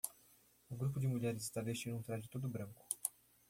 O grupo de mulheres está vestindo um traje todo branco.